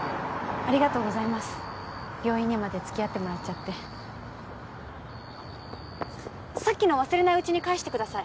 ありがとうございます病院にまでつきあってもらっちゃってさっきの忘れないうちに返してください